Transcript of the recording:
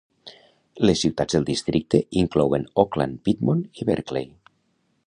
Les ciutats del districte inclouen Oakland, Piedmont i Berkeley.